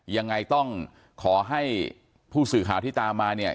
ยังไงต้องขอให้ผู้สื่อข่าวที่ตามมาเนี่ย